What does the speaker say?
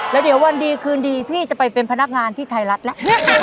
แล้วเดี๋ยววันดีคืนดีพี่จะไปเป็นพนักงานที่ไทยรัฐแล้ว